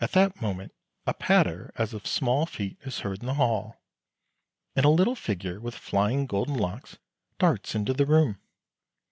At that moment a patter as of small feet is heard in the hall, and a little figure with flying golden locks darts into the room.